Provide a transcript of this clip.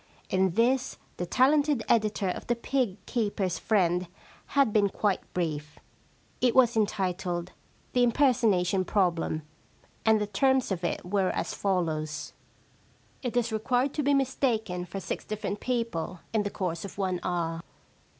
In this the talented editor of The Pig Keepers' Friend had been quite brief. It was entitled * The Impersonation Problem,* and the terms of it were as follows :—* It is required to be mistaken for six different people in the course of one hour.'